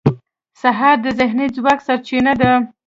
سهار د ذهني ځواک سرچینه ده.